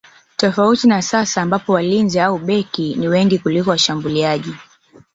Tofauti na sasa ambapo walinzi au beki ni wengi kuliko washambuliaji